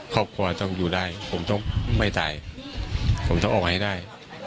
ครอบครัวต้องอยู่ได้ผมต้องไม่ตายผมต้องออกให้ได้